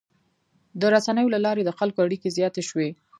د رسنیو له لارې د خلکو اړیکې زیاتې شوي.